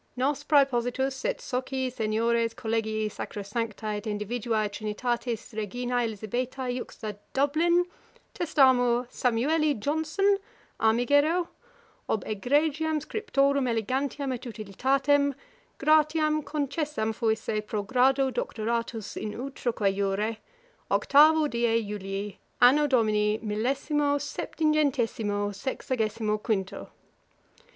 Nos Præpositus et Socii seniores Collegii sacrosanctæ et individuæ Trinitatis Reginæ Elizabethæ juxta Dublin, testamur_, Samueli Johnson, _Armigero, ob egregiam scriptorum elegantiam et utilitatem, gratiam concessam fuisse pro gradu Doctoratus in utroque Jure, octavo die Julii, Anno Domini millesimo septingentesimo sexagesimo quinto.